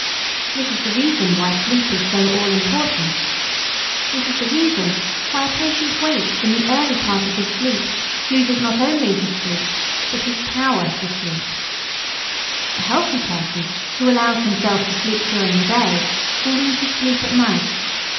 This is the reason why sleep is so all important. This is the reason why a patient waked in the early part of his sleep loses not only his sleep, but his power to sleep. A healthy person who allows himself to sleep during the day will lose his sleep at night.